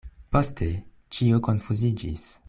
Poste ĉio konfuziĝis.